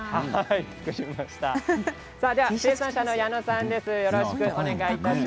生産者の矢野さんです。